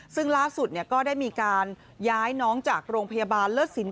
ซึ่งล่าสุดก็ได้มีการย้ายน้องจากโรงพยาบาลเลิศสิน